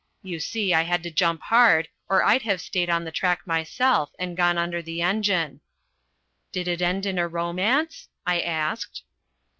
You see, I had to jump hard or I'd have stayed on the track myself and gone under the engine." "Did it end in a romance?" I asked.